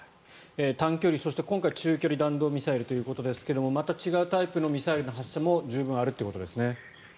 単距離、そして今回中距離弾道ミサイルということですがまた違うタイプのミサイルの発射も十分あるということですね。